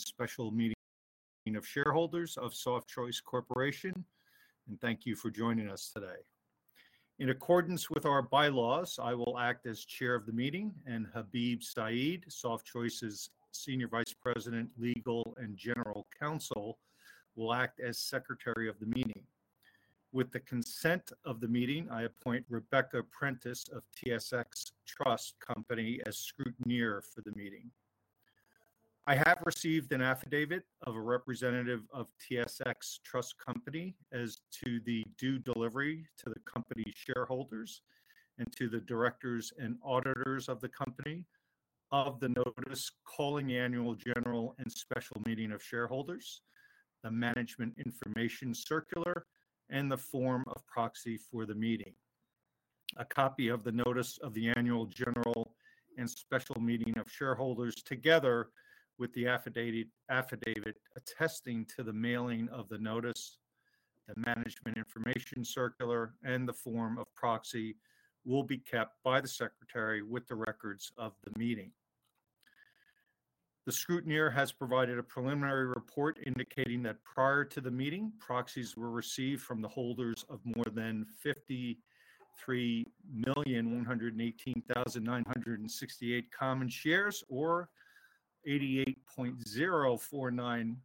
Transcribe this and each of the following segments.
and special meeting of shareholders of Softchoice Corporation, and thank you for joining us today. In accordance with our bylaws, I will act as chair of the meeting, and Habeeb Syed, Softchoice's Senior Vice President, Legal and General Counsel, will act as Secretary of the meeting. With the consent of the meeting, I appoint Rebecca Prentice of TSX Trust Company as scrutineer for the meeting. I have received an affidavit of a representative of TSX Trust Company as to the due delivery to the company shareholders and to the directors and auditors of the company of the notice calling Annual General and Special Meeting of shareholders, the Management Information Circular, and the form of proxy for the meeting. A copy of the notice of the Annual General and Special Meeting of shareholders, together with the affidavit attesting to the mailing of the notice, the Management Information Circular, and the form of proxy, will be kept by the secretary with the records of the meeting. The scrutineer has provided a preliminary report indicating that prior to the meeting, proxies were received from the holders of more than 53,118,968 common shares, or 88.049%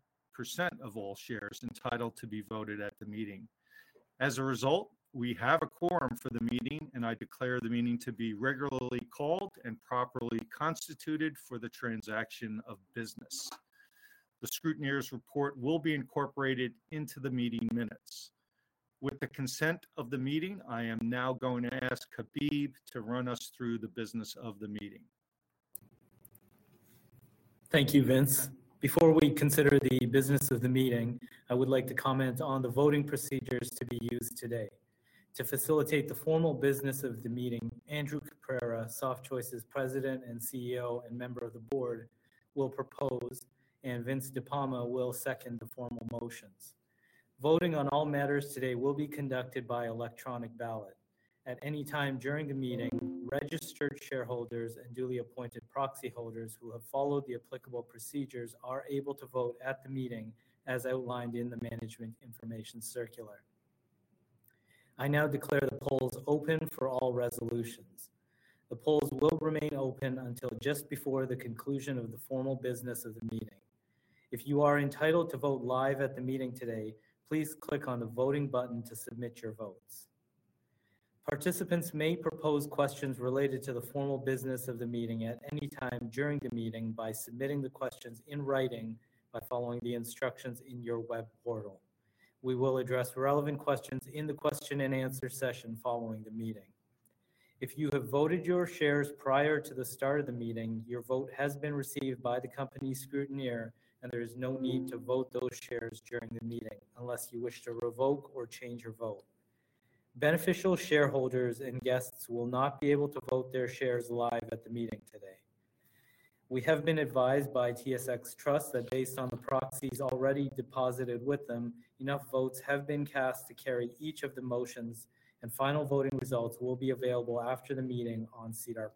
of all shares entitled to be voted at the meeting. As a result, we have a quorum for the meeting, and I declare the meeting to be regularly called and properly constituted for the transaction of business. The scrutineer's report will be incorporated into the meeting minutes. With the consent of the meeting, I am now going to ask Habeeb to run us through the business of the meeting. Thank you, Vince. Before we consider the business of the meeting, I would like to comment on the voting procedures to be used today. To facilitate the formal business of the meeting, Andrew Caprara, Softchoice's President and CEO, and member of the board, will propose, and Vince De Palma will second the formal motions. Voting on all matters today will be conducted by electronic ballot. At any time during the meeting, registered shareholders and duly appointed proxy holders who have followed the applicable procedures are able to vote at the meeting as outlined in the Management Information Circular. I now declare the polls open for all resolutions. The polls will remain open until just before the conclusion of the formal business of the meeting. If you are entitled to vote live at the meeting today, please click on the voting button to submit your votes. Participants may propose questions related to the formal business of the meeting at any time during the meeting by submitting the questions in writing, by following the instructions in your web portal. We will address relevant questions in the question and answer session following the meeting. If you have voted your shares prior to the start of the meeting, your vote has been received by the company scrutineer, and there is no need to vote those shares during the meeting unless you wish to revoke or change your vote. Beneficial shareholders and guests will not be able to vote their shares live at the meeting today. We have been advised by TSX Trust that based on the proxies already deposited with them, enough votes have been cast to carry each of the motions, and final voting results will be available after the meeting on SEDAR+.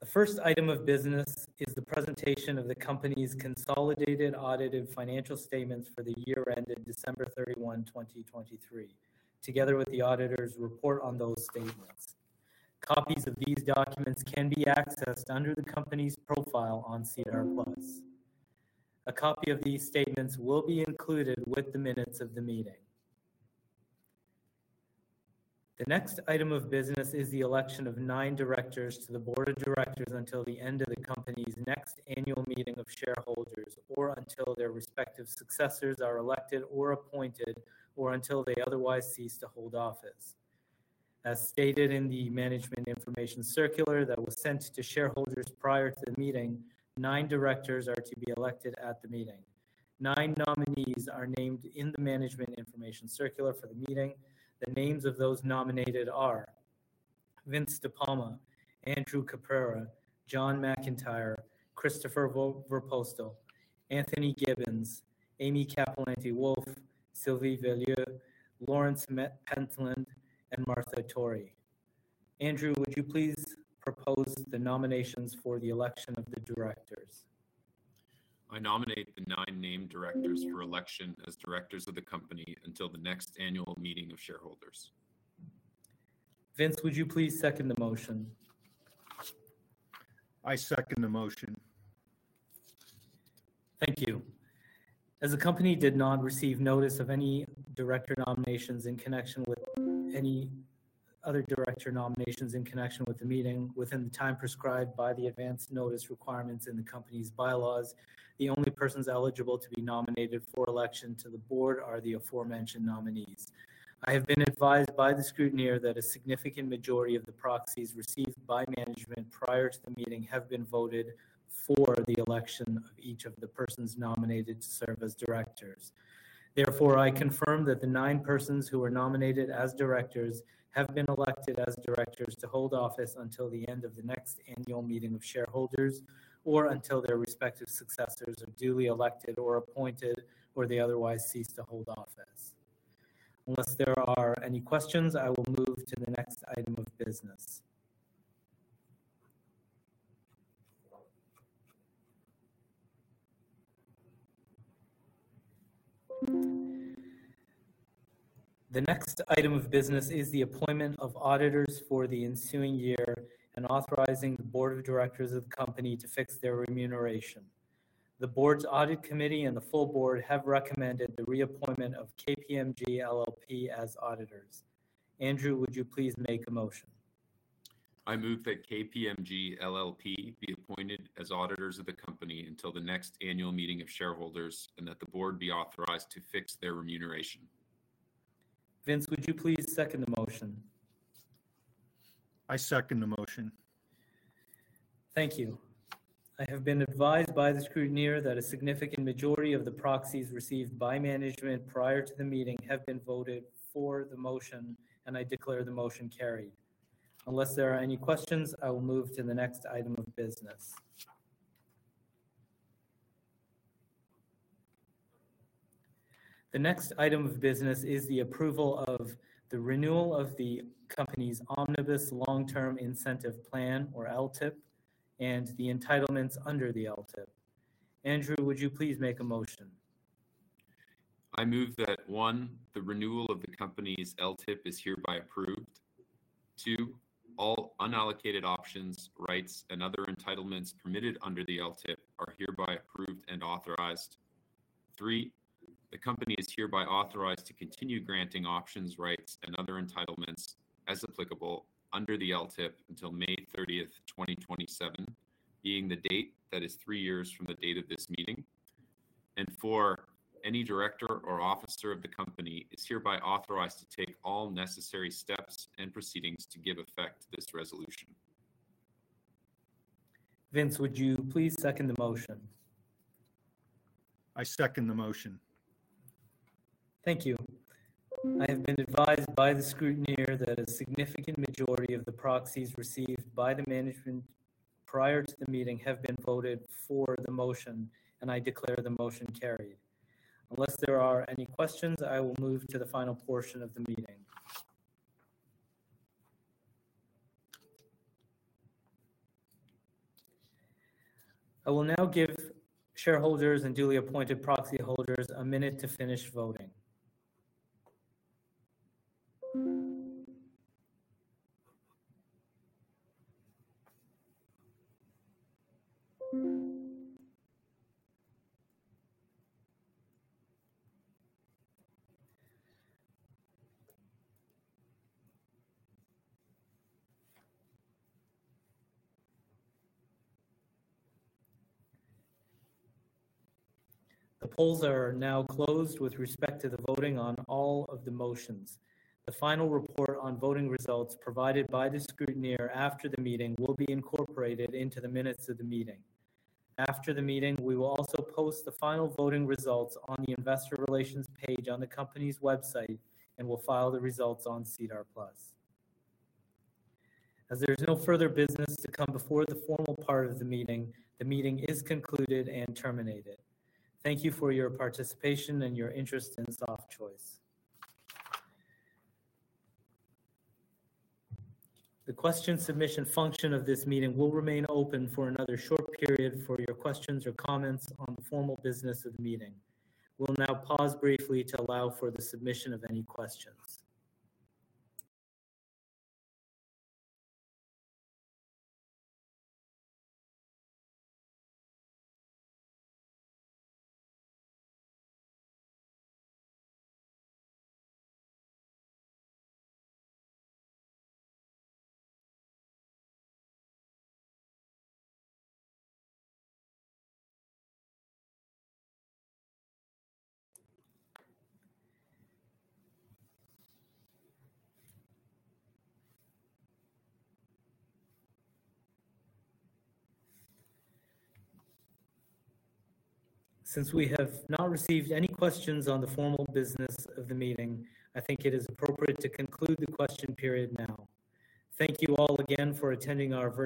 The first item of business is the presentation of the company's consolidated audited financial statements for the year ended December 31, 2023, together with the auditor's report on those statements. Copies of these documents can be accessed under the company's profile on SEDAR+. A copy of these statements will be included with the minutes of the meeting. The next item of business is the election of nine directors to the Board of Directors until the end of the company's next annual meeting of shareholders, or until their respective successors are elected or appointed, or until they otherwise cease to hold office. As stated in the Management Information Circular that was sent to shareholders prior to the meeting, nine directors are to be elected at the meeting. Nine nominees are named in the Management Information Circular for the meeting. The names of those nominated are: Vince De Palma, Andrew Caprara, John McIntyre, Chris Voorpostel, Anthony Gibbons, Amy Cappellanti-Wolf, Sylvie Veilleux, Lawrence Pentland, and Martha Tory. Andrew, would you please propose the nominations for the election of the directors? I nominate the nine named directors for election as directors of the company until the next annual meeting of shareholders. Vince, would you please second the motion? I second the motion. Thank you. As the company did not receive notice of any other director nominations in connection with the meeting, within the time prescribed by the advance notice requirements in the company's bylaws, the only persons eligible to be nominated for election to the board are the aforementioned nominees. I have been advised by the scrutineer that a significant majority of the proxies received by management prior to the meeting have been voted for the election of each of the persons nominated to serve as directors. Therefore, I confirm that the nine persons who were nominated as directors have been elected as directors to hold office until the end of the next annual meeting of shareholders, or until their respective successors are duly elected or appointed, or they otherwise cease to hold office. Unless there are any questions, I will move to the next item of business. The next item of business is the appointment of auditors for the ensuing year and authorizing the Board of Directors of the company to fix their remuneration. The Board's Audit Committee and the full Board have recommended the reappointment of KPMG LLP as auditors. Andrew, would you please make a motion? I move that KPMG LLP be appointed as auditors of the company until the next annual meeting of shareholders, and that the board be authorized to fix their remuneration. Vince, would you please second the motion? I second the motion. Thank you. I have been advised by the scrutineer that a significant majority of the proxies received by management prior to the meeting have been voted for the motion, and I declare the motion carried. Unless there are any questions, I will move to the next item of business. The next item of business is the approval of the renewal of the company's Omnibus Long-Term Incentive Plan, or LTIP, and the entitlements under the LTIP. Andrew, would you please make a motion? I move that, one, the renewal of the company's LTIP is hereby approved. Two, all unallocated options, rights, and other entitlements permitted under the LTIP are hereby approved and authorized. Three, the company is hereby authorized to continue granting options, rights, and other entitlements as applicable under the LTIP until May 30, 2027, being the date that is three years from the date of this meeting. And four, any director or officer of the company is hereby authorized to take all necessary steps and proceedings to give effect to this resolution. Vince, would you please second the motion? I second the motion. Thank you. I have been advised by the scrutineer that a significant majority of the proxies received by the management prior to the meeting have been voted for the motion, and I declare the motion carried. Unless there are any questions, I will move to the final portion of the meeting. I will now give shareholders and duly appointed proxy holders a minute to finish voting. The polls are now closed with respect to the voting on all of the motions. The final report on voting results provided by the scrutineer after the meeting will be incorporated into the minutes of the meeting. After the meeting, we will also post the final voting results on the investor relations page on the company's website, and we'll file the results on SEDAR+. As there is no further business to come before the formal part of the meeting, the meeting is concluded and terminated. Thank you for your participation and your interest in Softchoice. The question submission function of this meeting will remain open for another short period for your questions or comments on the formal business of the meeting. We'll now pause briefly to allow for the submission of any questions. Since we have not received any questions on the formal business of the meeting, I think it is appropriate to conclude the question period now. Thank you all again for attending our virtual-